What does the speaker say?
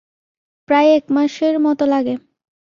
প্রায় এক মাসের মতো লাগে।